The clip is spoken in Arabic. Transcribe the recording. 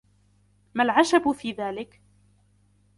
ما العجب في ذلك ؟